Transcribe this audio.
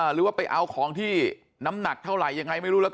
หรือว่าไปเอาของที่น้ำหนักเท่าไหร่ยังไงไม่รู้แล้ว